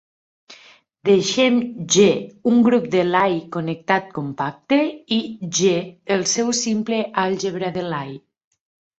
Deixem "G" un grup de Lie connectat compacte i "g" el seu simple àlgebra de Lie.